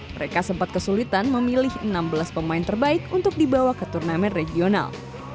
mereka sempat kesulitan memilih enam belas pemain terbaik untuk dibawa ke turnamen regional